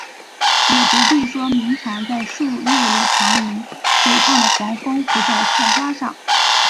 也不必说鸣蝉在树叶里长吟，肥胖的黄蜂伏在菜花上